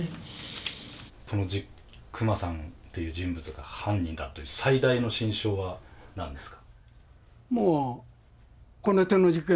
この久間さんっていう人物が犯人だという最大の心証は何ですか？